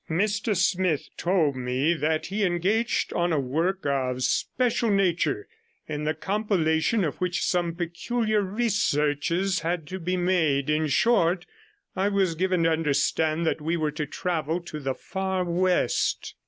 Mr Smith told me that he engaged on a work of a special nature, in the compilation of which some peculiar researches had to be made; in short, I was given to understand that we were to travel to the far West.